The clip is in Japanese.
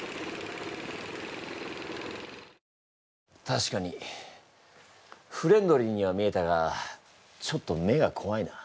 たしかにフレンドリーには見えたがちょっと目がこわいな。